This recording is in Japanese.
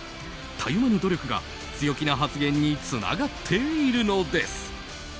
たゆまぬ努力が強気な発言につながっているのです。